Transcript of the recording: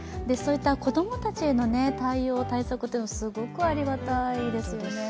子供たちへの対応、対策というのはすごくありがたいですよね。